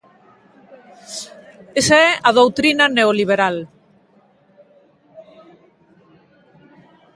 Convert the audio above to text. Esa é a doutrina neoliberal.